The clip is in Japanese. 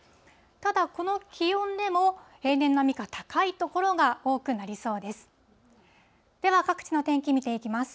ただ、この気温でも、平年並みが高い所が多くなりそうです。